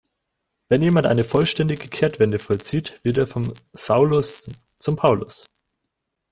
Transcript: Wenn jemand eine vollständige Kehrtwende vollzieht, wird er vom Saulus zum Paulus.